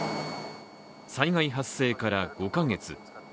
災害発生から５か月。